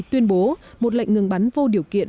tuyên bố một lệnh ngừng bắn vô điều kiện